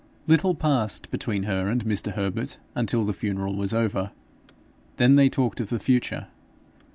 Little passed between her and Mr. Herbert until the funeral was over. Then they talked of the future.